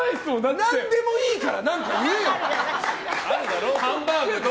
何でもいいから何か言えよ！